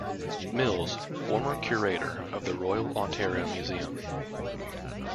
Mills, former curator at the Royal Ontario Museum.